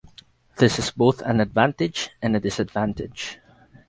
This is both an advantage and a disadvantage.